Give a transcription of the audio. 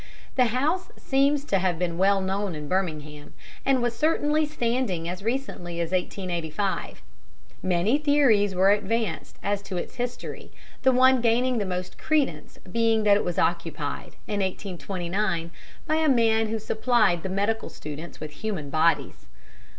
The house seems to have been well known in Birmingham, and was certainly standing as recently as 1885. Many theories were advanced as to its history, the one gaining most credence being that it was occupied, in 1829, by a man who supplied the medical students with human bodies.